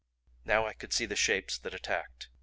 Now I could see the Shapes that attacked.